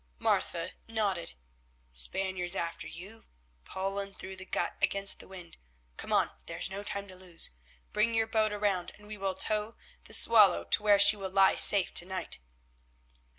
Martha nodded. "Spaniards after you, poling through the gut against the wind. Come on, there is no time to lose. Bring your boat round, and we will tow the Swallow to where she will lie safe to night."